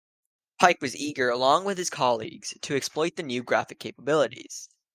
Pike was eager, along with his colleagues, to exploit the new graphic capabilities.